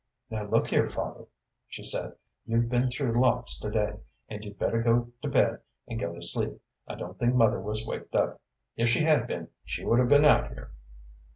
"Now look here, father," she said, "you've been through lots to day, and you'd better go to bed and go to sleep. I don't think mother was waked up if she had been, she would have been out here."